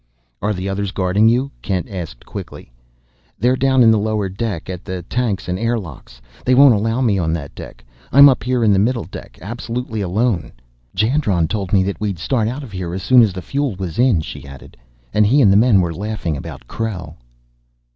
"Are the others guarding you?" Kent asked quickly. "They're down in the lower deck at the tanks and airlocks. They won't allow me down on that deck. I'm up here in the middle deck, absolutely alone. "Jandron told me that we'd start out of here as soon as the fuel was in," she added, "and he and the men were laughing about Krell."